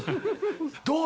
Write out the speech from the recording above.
どう？